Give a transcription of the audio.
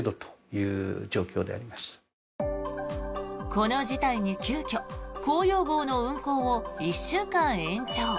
この事態に急きょ紅葉号の運行を１週間延長。